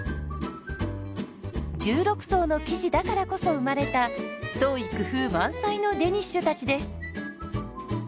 １６層の生地だからこそ生まれた創意工夫満載のデニッシュたちです。